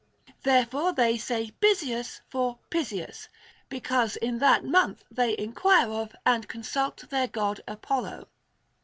There fore they say Bysius for Pysius, because in that month they enquire of and consult their God Apollo.